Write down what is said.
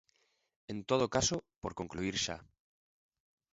En todo caso, por concluír xa.